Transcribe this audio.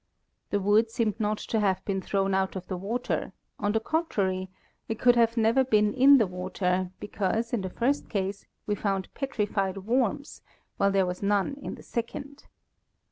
The wood seemed not to have been thrown out of the water; on the contrary, it could never have been in the water, because, in the first case, we found petrified worms, while there were none in the second.